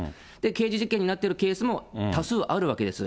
刑事事件になってるケースも多数あるわけです。